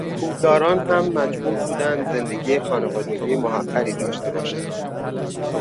پولداران هم مجبور بودند زندگی خانوادگی محقری داشته باشند.